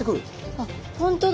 あっ本当だ！